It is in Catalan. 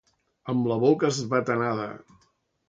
Amb la boca esbatanada.